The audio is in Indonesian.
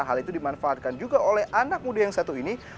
hal itu dimanfaatkan juga oleh anak muda yang satu ini